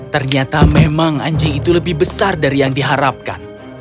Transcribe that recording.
ternyata memang anjing itu lebih besar dari yang diharapkan